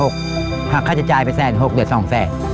ค่าค่าจะจ่ายไป๑๖แสนเหลือ๒๐๐แสน